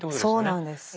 そうなんです。